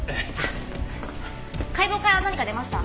解剖から何か出ました？